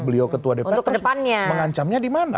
beliau ketua dp terus mengancamnya di mana